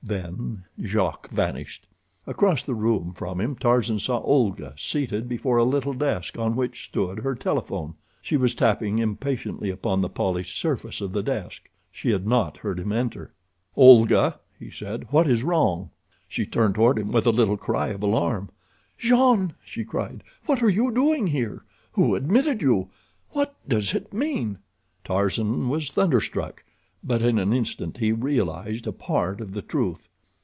Then Jacques vanished. Across the room from him Tarzan saw Olga seated before a little desk on which stood her telephone. She was tapping impatiently upon the polished surface of the desk. She had not heard him enter. "Olga," he said, "what is wrong?" She turned toward him with a little cry of alarm. "Jean!" she cried. "What are you doing here? Who admitted you? What does it mean?" Tarzan was thunderstruck, but in an instant he realized a part of the truth.